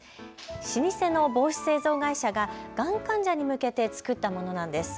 老舗の帽子製造会社ががん患者に向けて作ったものなんです。